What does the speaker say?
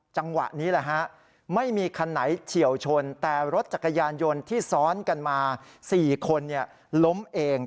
จังหวะนี้แหละฮะไม่มีคันไหนเฉียวชนแต่รถจักรยานยนต์ที่ซ้อนกันมา๔คนล้มเอง